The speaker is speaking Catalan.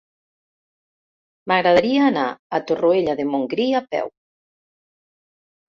M'agradaria anar a Torroella de Montgrí a peu.